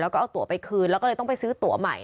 แล้วก็เอาตัวไปคืนแล้วก็เลยต้องไปซื้อตัวใหม่